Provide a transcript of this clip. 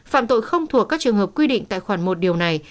hai phạm tội không thuộc các trường hợp quy định tại khoảng một điều này